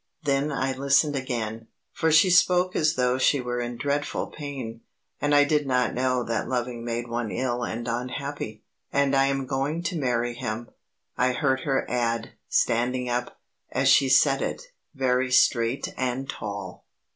then I listened again, for she spoke as though she were in dreadful pain, and I did not know that loving made one ill and unhappy. "And I am going to marry him," I heard her add, standing up, as she said it, very straight and tall.